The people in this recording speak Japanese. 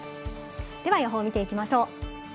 では予報を見ていきましょう。